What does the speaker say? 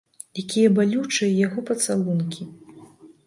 Якія балючыя яго пацалункі!